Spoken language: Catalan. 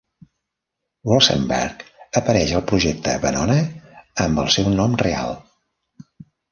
Rosenberg apareix al projecte Venona amb el seu nom real.